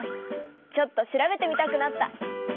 ちょっと調べてみたくなった。